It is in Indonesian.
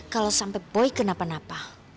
kalau sampai boy kenapa napal